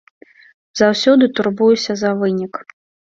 Заўсёды турбуюся за вынік.